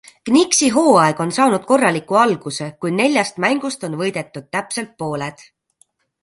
Knicksi hooaeg on saanud korraliku alguse, kui neljast mängust on võidetud täpselt pooled.